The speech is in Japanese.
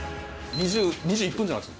２１分じゃないですか。